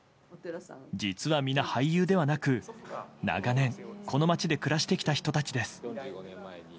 実は皆、俳優ではなく長年、この町で暮らしてきた人たちです。